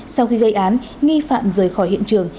sau khi gây án nghi phạm rời khỏi hiện trường